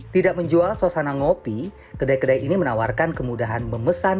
tidak menjual suasana ngopi kedai kedai ini menawarkan kemudahan memesan